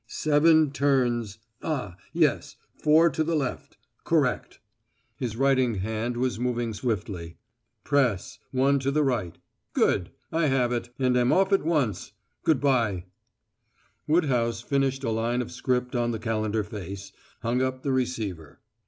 "Seven turns ah, yes four to the left correct." His writing hand was moving swiftly. "Press, one to the right. Good! I have it, and am off at once. Good by!" Woodhouse finished a line of script on the calendar face, hung up the receiver.